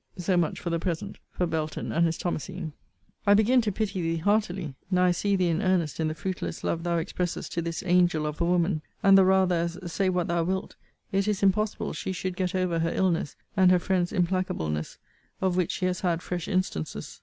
So much, for the present, for Belton and his Thomasine. I begin to pity thee heartily, now I see thee in earnest in the fruitless love thou expressest to this angel of a woman; and the rather, as, say what thou wilt, it is impossible she should get over her illness, and her friends' implacableness, of which she has had fresh instances.